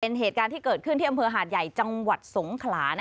เป็นเหตุการณ์ที่เกิดขึ้นที่อำเภอหาดใหญ่จังหวัดสงขลา